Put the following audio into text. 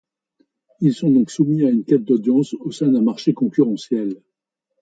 Ils sont donc soumis à une quête d'audience au sein d'un marché concurrentiel.